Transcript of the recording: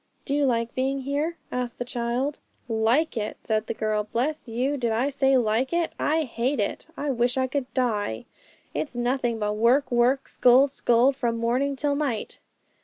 'Do you like being here?' asked the child. 'Like it?' said the girl. 'Bless you! did you say like it? I hate it; I wish I could die. It's nothing but work, work, scold, scold, from morning till night.'